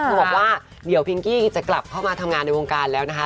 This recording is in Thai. คือบอกว่าเดี๋ยวพิงกี้จะกลับเข้ามาทำงานในวงการแล้วนะคะ